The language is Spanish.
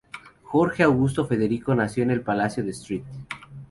Jorge Augusto Federico nació en el palacio de St.